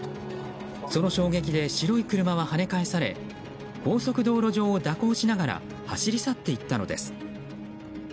その衝撃で白い車は跳ね返され高速道路上を蛇行しながら走り去っていったのです。